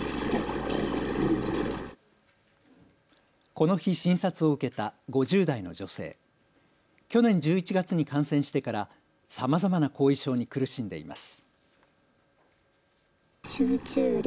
この日診察を受けた５０代の女性、去年１１月に感染してからさまざまな後遺症に苦しんでいます。